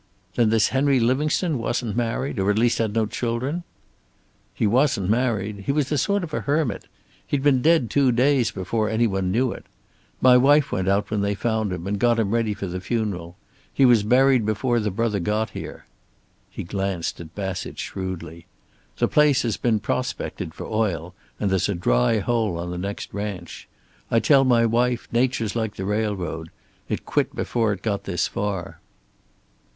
"Then this Henry Livingstone wasn't married? Or at least had no children?" "He wasn't married. He was a sort of hermit. He'd been dead two days before any one knew it. My wife went out when they found him and got him ready for the funeral. He was buried before the brother got here." He glanced at Bassett shrewdly. "The place has been prospected for oil, and there's a dry hole on the next ranch. I tell my wife nature's like the railroad. It quit before it got this far."